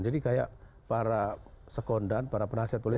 jadi kayak para sekondan para penasihat politik